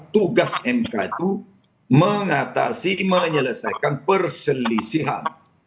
tugas mk itu mengatasi menyelesaikan perselisihan